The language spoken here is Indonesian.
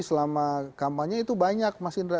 selama kampanye itu banyak mas indra